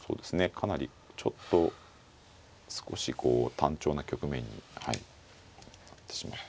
かなりちょっと少し単調な局面になってしまったので。